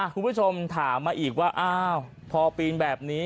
คุณผู้ชมถามมาอีกว่าอ้าวพอปีนแบบนี้